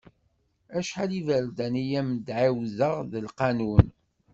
Acḥal iberdan i am-d-ɛiwdeɣ, d lqanun.